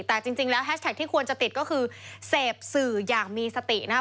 แต่จริงแล้วแฮชแท็กที่ควรจะติดก็คือเสพสื่ออย่างมีสตินะครับ